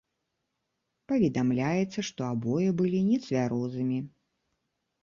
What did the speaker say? Паведамляецца, што абое былі нецвярозымі.